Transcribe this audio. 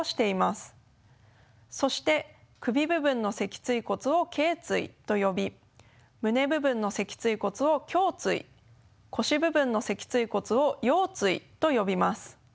そして首部分の脊椎骨をけい椎と呼び胸部分の脊椎骨を胸椎腰部分の脊椎骨を腰椎と呼びます。